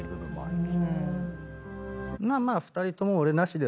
まあまあ。